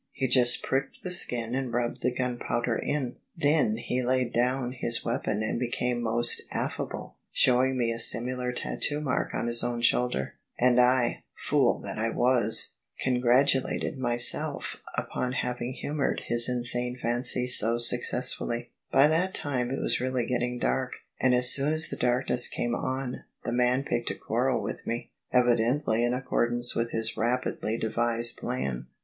He just pricked the skin and rubbed the gunpowder in. Then he laid down his weapon and became most affable, showing me a similar tattoo mark on his own shoulder: and I — fool that I was !— congratulated myself upon having hiunoured his insane fan(^ so successfully. By that time it really was getting dark: and as soon as the darkness came on the man picked a quarrel with me, evidently in accordance with his rapidly devised plan."